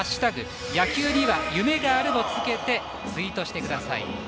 野球には夢がある」をつけてツイートしてください。